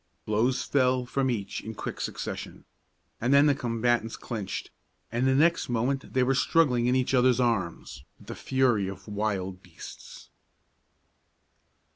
Blows fell from each in quick succession; then the combatants clinched, and the next moment they were struggling in each other's arms with the fury of wild beasts.